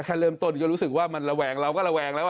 แค่เริ่มต้นก็รู้สึกว่ามันระแวงเราก็ระแวงแล้ว